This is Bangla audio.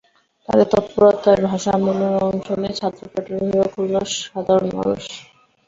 তাঁদের তৎপরতায় ভাষা আন্দোলনে অংশ নেয় ছাত্র ফেডারেশনসহ খুলনার সাধারণ মানুষ।